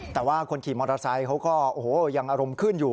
แต่ว่าคนขี่มอเตอร์ไซค์เขาก็โอ้โหยังอารมณ์ขึ้นอยู่